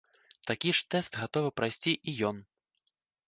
Такі ж тэст гатовы прайсці і ён.